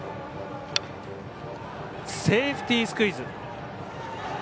セーフティースクイズ。